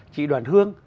chị đoàn hương